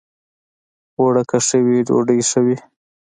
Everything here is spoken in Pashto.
اوړه که ښه وي، ډوډۍ ښه وي